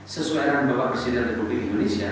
sesuai arahan bapak presiden republik indonesia